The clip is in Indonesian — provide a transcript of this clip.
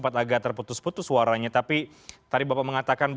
ada berbagai pelonggaran yang diambil oleh pemerintah pak jk